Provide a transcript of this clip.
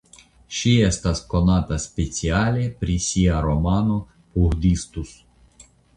Ŝi estas konata speciale pri sia romano "Puhdistus".